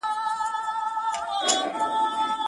زه به د وخت له کومي ستړي ريشا وژاړمه،